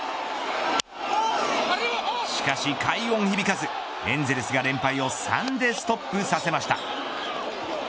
しかし快音響かずエンゼルスが連敗を３でストップさせました。